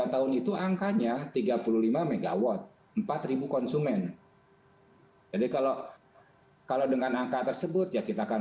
tahun itu angkanya tiga puluh lima mw empat ribu konsumen jadi kalau kalau dengan angka tersebut ya kita akan